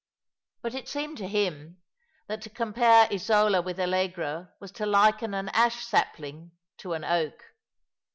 But it seemed to him that to compare Isola with Allegra was to liken an ash sapling to an oak.